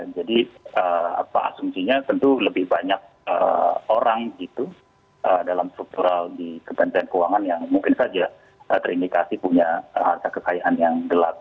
jadi apa asumsinya tentu lebih banyak orang gitu dalam struktural di kebantuan keuangan yang mungkin saja terindikasi punya harga kekayaan yang gelap